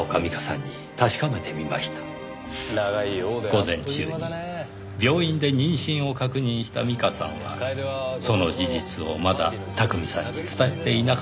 午前中に病院で妊娠を確認した美加さんはその事実をまだ巧さんに伝えていなかった。